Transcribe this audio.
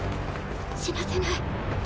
死なせない。